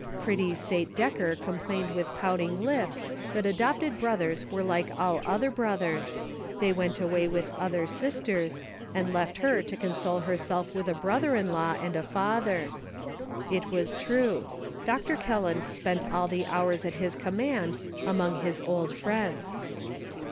Pretty Sate Decker complained with pouting lips that adopted brothers were like all other brothers, they went away with other sisters, and left her to console herself with a brother in law and a father. It was true; Dr. Kelland spent all the hours at his command among his old friends.